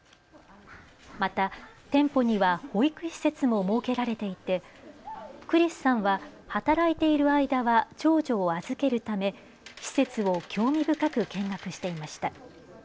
また、店舗には保育施設も設けられていてクリスさんは働いている間は長女を預けるため施設を興味深く見学していました。